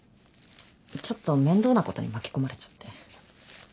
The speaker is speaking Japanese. ちょっと面倒なことに巻き込まれちゃって。